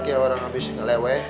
kayak orang abis ngeleweh